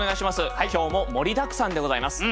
今日も盛りだくさんでございます。